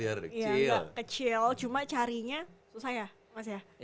iya nggak kecil cuma carinya susah ya mas ya